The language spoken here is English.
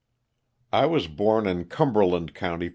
T WAS born in Cumberland county, Pa.